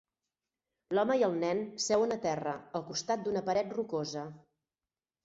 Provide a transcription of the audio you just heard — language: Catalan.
L'home i el nen seuen a terra, al costat d'una paret rocosa.